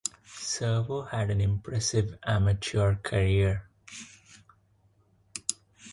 Servo had an impressive amateur career.